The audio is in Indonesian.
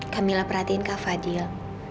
kamila perhatiin kak fadil